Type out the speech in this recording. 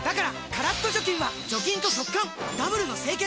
カラッと除菌は除菌と速乾ダブルの清潔！